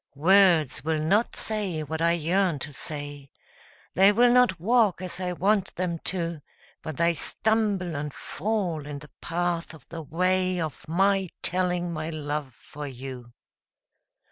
Words will not say what I yearn to say They will not walk as I want them to, But they stumble and fall in the path of the way Of my telling my love for you.